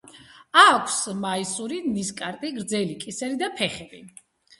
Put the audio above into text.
აქვთ მასიური ნისკარტი, გრძელი კისერი და ფეხები.